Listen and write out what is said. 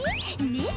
ねっ？